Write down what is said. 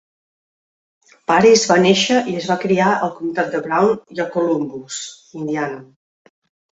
Paris va néixer i es va criar al comtat de Brown i a Columbus, Indiana.